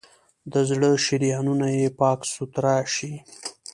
د زړه شریانونه یې پاک سوتره شي.